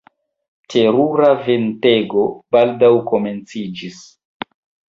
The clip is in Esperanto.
Terura ventego baldaŭ komenciĝis.